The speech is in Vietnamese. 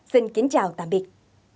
xin kính chào tạm biệt